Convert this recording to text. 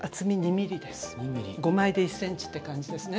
５枚で１ｃｍって感じですね。